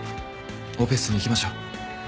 オペ室に行きましょう。